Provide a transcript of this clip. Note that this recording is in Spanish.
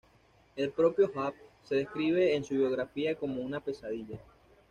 El propio Hawk se describe en su biografía como "una pesadilla".